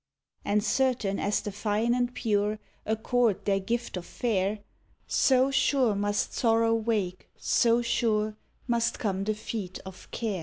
And certain as the fine and pure Accord their gift of fair, So sure must Sorrow wake, so sure Must come the feet of Care.